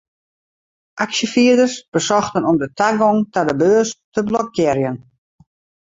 Aksjefierders besochten om de tagong ta de beurs te blokkearjen.